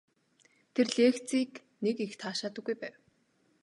Тэр лекцийг нэг их таашаадаггүй байв.